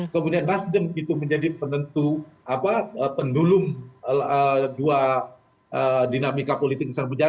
kemudian nasdem itu menjadi pendulung dua dinamikanya